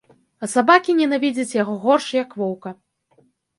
А сабакі ненавідзяць яго горш, як воўка.